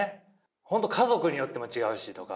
本当家族によっても違うしとか。